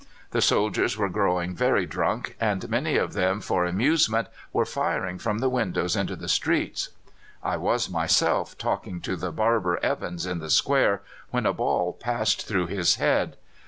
The soldiers were growing very drunk, and many of them for amusement were firing from the windows into the streets. "I was myself talking to the barber Evans in the square, when a ball passed through his head.